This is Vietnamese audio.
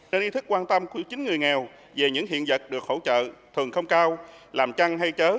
nên ý thức quan tâm của chính người nghèo về những hiện vật được hỗ trợ thường không cao làm trăng hay chớ